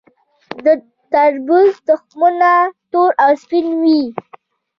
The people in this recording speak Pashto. د تربوز تخمونه تور او سپین وي.